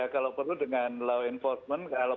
kalau perlu dengan law enforcement kalau